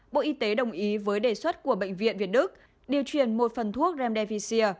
bộ y tế đồng ý với đề xuất của bệnh viện việt đức điều truyền một phần thuốc remdesivir